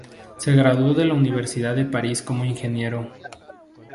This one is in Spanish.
Se graduó en la Universidad de París como ingeniero.